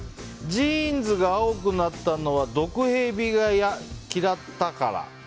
ジーンズが青くなったのは毒ヘビが嫌ったから。